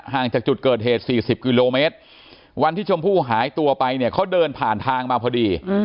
จากจุดเกิดเหตุ๔๐กิโลเมตรวันที่ชมพู่หายตัวไปเนี่ยเขาเดินผ่านทางมาพอดี